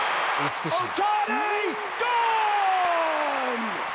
美しい。